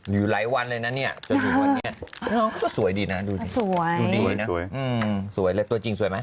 อยู่หลายวันเลยนะเนี่ยน้องก็สวยดีนะสวยสวยเลยตัวจริงสวยไหม